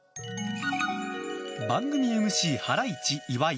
番組ＭＣ、ハライチ岩井。